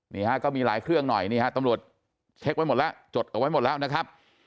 นี่ฮะก็มีหลายเครื่องหน่อยนี่ฮะตำรวจเช็คไว้หมดแล้วจดเอาไว้หมดแล้วนะครับ